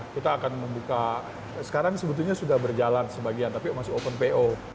kita akan membuka sekarang sebetulnya sudah berjalan sebagian tapi masih open po